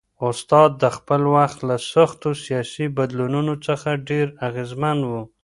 استاد د خپل وخت له سختو سیاسي بدلونونو څخه ډېر اغېزمن و.